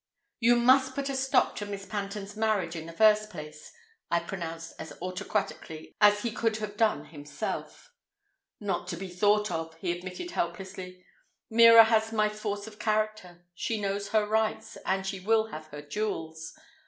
"You must put a stop to Miss Panton's marriage in the first place," I pronounced as autocratically as he could have done himself. "Not to be thought of," he admitted helplessly. "Mira has my force of character. She knows her rights, and she will have her jewels.